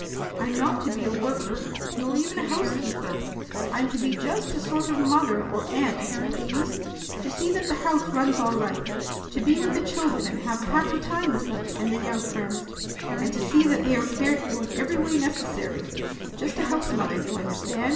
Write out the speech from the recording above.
I'm not to be a worker, nor even a housekeeper. I'm to be just a sort of mother, or aunt, if you please, to see that the house runs all right, to be with the children and have a happy time with them and their young friends, and to see that they are cared for in every way necessary; just a housemother, you understand.